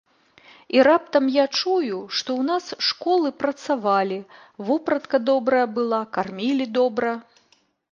І раптам я чую, што ў нас школы працавалі, вопратка добрая была, кармілі добра.